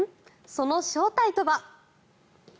その正体とは。